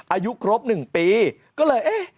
อายุครบ๑ปีก็เลยเอ๊ะ